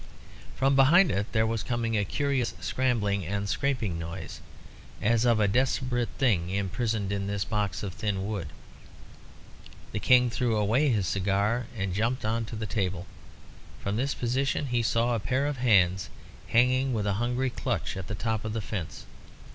From behind it there was coming a curious scrambling and scraping noise, as of a desperate thing imprisoned in this box of thin wood. The King threw away his cigar, and jumped on to the table. From this position he saw a pair of hands hanging with a hungry clutch on the top of the fence.